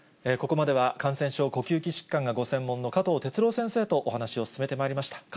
ここまでは感染症、呼吸器疾患がご専門の加藤哲朗先生とお話を進めてまいりました。